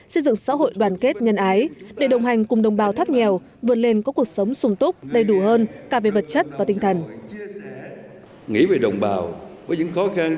xây dựng xã hội đoàn kết nhân ái để đồng hành cùng đồng bào thắt nghèo vượt lên có cuộc sống sùng túc đầy đủ hơn cả về vật chất và tinh thần